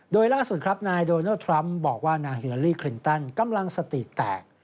โดยล่าสุดครับนายโดนัลดทรัมป์บอกว่านางฮิลาลีคลินตันกำลังสติแตก